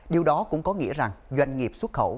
điều đó cũng có nghĩa rằng doanh nghiệp xuất khẩu